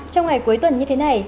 trong ngày cuối tuần như thế này